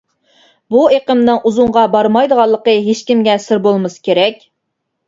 بۇ ئېقىمنىڭ ئۇزۇنغا بارمايدىغانلىقى ھېچكىمگە سىر بولمىسا كېرەك.